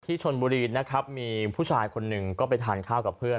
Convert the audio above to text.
ชนบุรีนะครับมีผู้ชายคนหนึ่งก็ไปทานข้าวกับเพื่อน